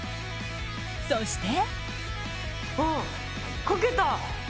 そして。